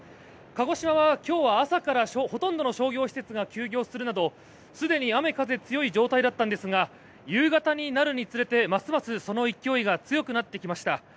鹿児島は今日は朝からほとんどの商業施設が休業するなどすでに雨、風強い状態だったんですが夕方になるにつれてますますその勢いが強くなってきました。